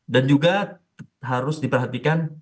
dan juga harus diperhatikan